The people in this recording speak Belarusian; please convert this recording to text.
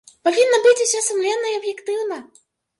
Павінна быць усё сумленна і аб'ектыўна.